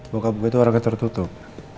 bokap gue tuh orang yang tertutup